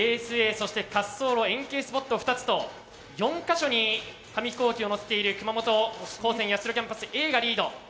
そして滑走路円形スポット２つと４か所に紙飛行機をのせている熊本高専八代キャンパスＡがリード。